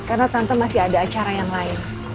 karena tante masih ada acara yang lain